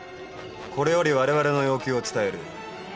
これより我々の要求を伝える。